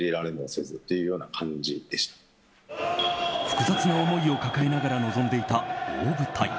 複雑な思いを抱えながら臨んでいた大舞台。